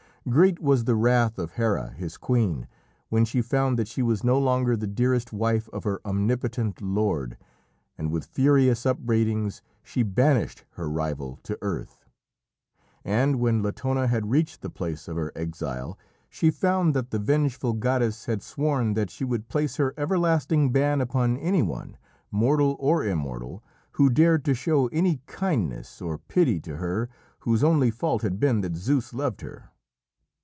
Great was the wrath of Hera, his queen, when she found that she was no longer the dearest wife of her omnipotent lord, and with furious upbraidings she banished her rival to earth. And when Latona had reached the place of her exile she found that the vengeful goddess had sworn that she would place her everlasting ban upon anyone, mortal or immortal, who dared to show any kindness or pity to her whose only fault had been that Zeus loved her.